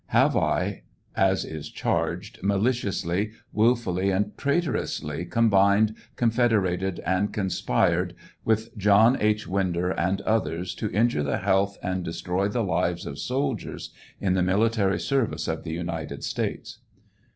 Have I, as is charged, maliciously, wilfully, and traitorously combined confederated and conspired with John H. Winder and others, to injure the healtl and destroy the lives of soldiers in the military service of the United States.